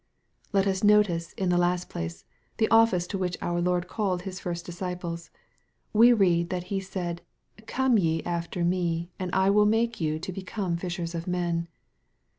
Let us notice, in the last place, the office to which our Lord catted His first disciples. We read that He said, " Come ye after me, and I will make you to become fishers of men."